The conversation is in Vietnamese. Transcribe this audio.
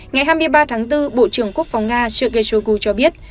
ngày hai mươi ba tháng bốn bộ trưởng quốc phòng nga sergei shogu cho biết